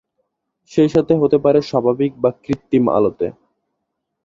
সেই সাথে হতে পারে স্বাভাবিক বা কৃত্রিম আলোতে।